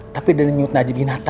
tapi denyut nadi binata